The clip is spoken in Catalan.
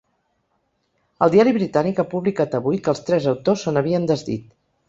El diari britànic ha publicat avui que els tres autors se n’havien desdit.